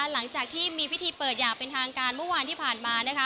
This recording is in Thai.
หลังจากที่มีพิธีเปิดอย่างเป็นทางการเมื่อวานที่ผ่านมา